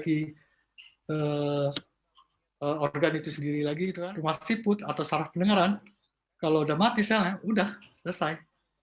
kalau itu ada organ itu sendiri lagi rumah siput atau syaraf pendengaran kalau udah mati selnya udah selesai